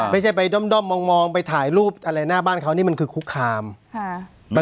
ไม่ใช่ไปด้อมมองไปถ่ายรูปอะไรหน้าบ้านเขานี่มันคือคุกคาม